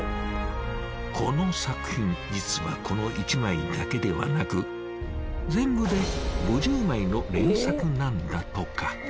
この作品実はこの１枚だけではなく全部で５０枚の連作なんだとか。